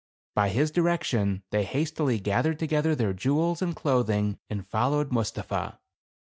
By his direction they hastily gathered together their jewels and clothing, and followed Mustapha.